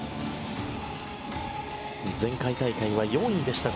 前回大会は４位でした